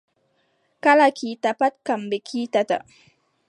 Kala kiita pat kamɓe kiitata.